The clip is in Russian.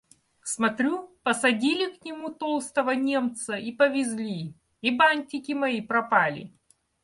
Смотрю, посадили к нему толстого Немца и повезли... И бантики мои пропали!..